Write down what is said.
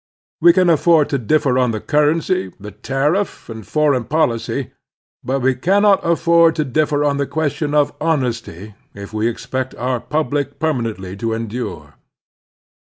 We can afford to differ on the cturency, the tariff, and foreign policy ; but we cannot afford to differ on the question of honesty if we expect our repub lic permanently to endure.